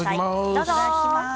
どうぞ。